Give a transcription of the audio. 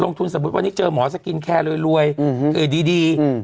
ลงทุนสมมุติวันนี้เจอหมอสกินแคร์โรยรวยอืมเออดีดีอืม